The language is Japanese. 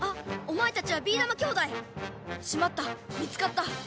おまえたちはビーだま兄弟！しまった見つかった！